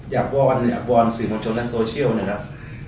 วอนอยากวอนสื่อมวลชนและโซเชียลนะครับ